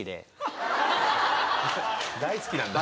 ・大好きなんだ・